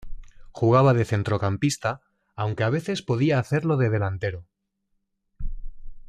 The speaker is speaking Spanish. Jugaba de centrocampista, aunque a veces podía hacerlo de delantero.